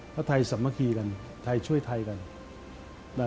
เพราะไทยสามัคคีกันไทยช่วยไทยกัน